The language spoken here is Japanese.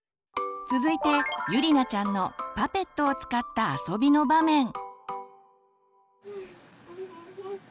続いてゆりなちゃんのパペットを使った遊びの場面。